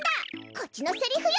こっちのセリフよ！